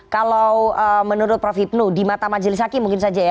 kalau menurut prof hipnu di mata majelis hakim mungkin saja ya